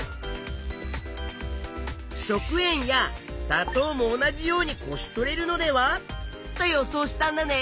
食塩やさとうも同じようにこし取れるのでは？と予想したんだね。